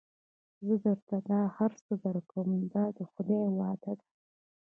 زه درته دا هر څه درکوم دا د خدای وعده ده.